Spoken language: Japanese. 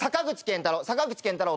「坂口健太郎！